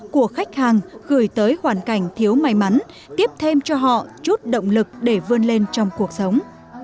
của khách hàng gửi tới hoàn cảnh thiếu may mắn tiếp thêm cho họ chút động lực để vươn lên trong cuộc sống